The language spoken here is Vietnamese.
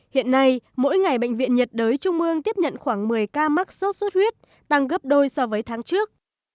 hiện nay mỗi ngày bệnh viện nhiệt đới trung ương tiếp nhận khoảng một mươi ca mắc sốt xuất huyết tăng gấp đôi so với tháng trước